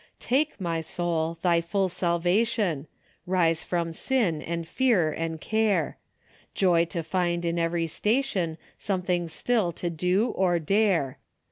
'' Take, my soul, thy full salvation ! Rise from sin, and fear, and care. Joy to find in every station Something still to do or dare.